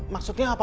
maksudnya apa om